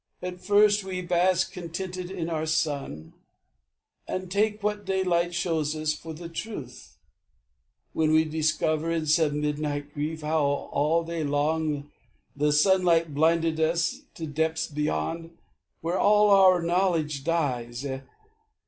At first, we bask contented in our sun And take what daylight shows us for the truth. Then we discover, in some midnight grief, How all day long the sunlight blinded us To depths beyond, where all our knowledge dies.